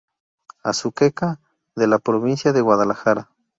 Azuqueca de la provincia de Guadalajara.